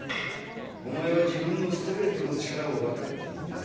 お前は自分のストレートの力を分かっていない。